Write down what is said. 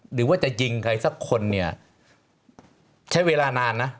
หรือว่าจะยิงใครสักคนเนี่ยใช้เวลานานนะ